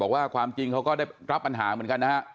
ว่าความจริงเขาก็ได้รับปัญหาเหมือนกันนะฮะ